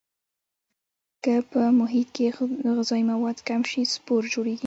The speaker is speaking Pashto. که په محیط کې غذایي مواد کم شي سپور جوړوي.